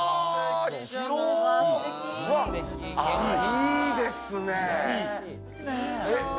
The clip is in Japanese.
いいですね。